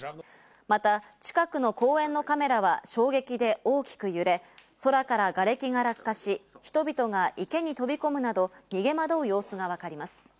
また、近くの公園のカメラは衝撃で大きく揺れ、空からがれきが落下し、人々が池に飛び込むなど、逃げ惑う様子がわかります。